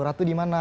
ratu di mana